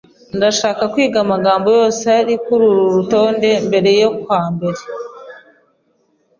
Ndashaka kwiga amagambo yose ari kururu rutonde mbere yukwa mbere.